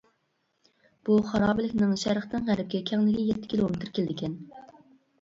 بۇ خارابىلىكنىڭ شەرقتىن غەربكە كەڭلىكى يەتتە كىلومېتىر كېلىدىكەن.